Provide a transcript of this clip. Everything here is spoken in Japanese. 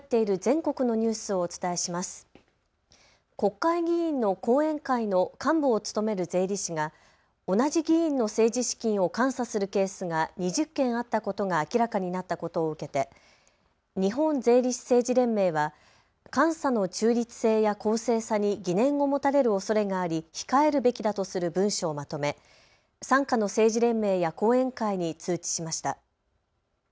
国会議員の後援会の幹部を務める税理士が同じ議員の政治資金を監査するケースが２０件あったことが明らかになったことを受けて日本税理士政治連盟は監査の中立性や公正さに疑念を持たれるおそれがあり控えるべきだとする文書をまとめ傘下の政治連盟や後援会に通知しました。